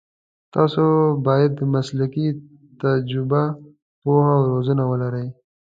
تاسو باید مسلکي تجربه، پوهه او روزنه ولرئ.